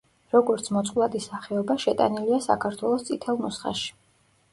როგორც მოწყვლადი სახეობა, შეტანილია საქართველოს წითელ ნუსხაში.